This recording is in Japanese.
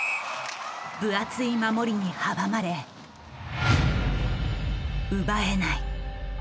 分厚い守りに阻まれ奪えない。